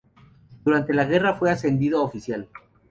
Durante la guerra fue ascendido a oficial.